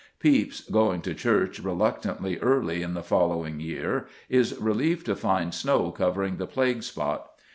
Pepys, going to church reluctantly early in the following year, is relieved to find snow covering the plague spot.